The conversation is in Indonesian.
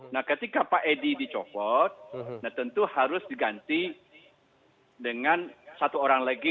nah ketika pak edi dicopot nah tentu harus diganti dengan satu orang lagi